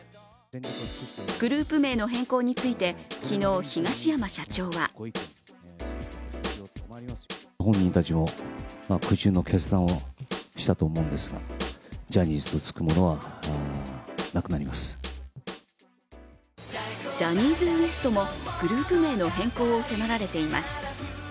グループ名の変更について昨日、東山社長はジャニーズＷＥＳＴもグループ名の変更を迫られています。